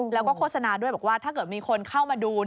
แล้วก็โฆษณาด้วยบอกว่าถ้าเกิดมีคนเข้ามาดู